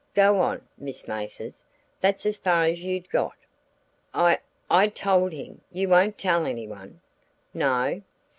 Go on, Miss Mathers. That's as far as you'd got." "I I told him you won't tell anyone?" "No."